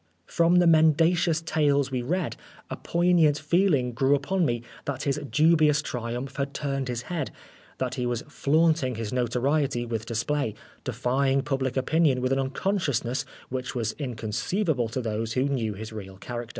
From the mendacious tales we read, a poignant feeling grew upon me that his dubious triumph had turned his head, that he was flaunting his notoriety with display, defying public opinion with an unconsciousness which was inconceivable to those who knew his real character.